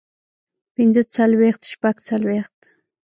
پنځۀ څلوېښت شپږ څلوېښت